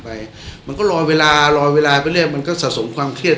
ไปมันก็ลอยเวลารอเวลาไปเรื่อยมันก็สะสมความเครียด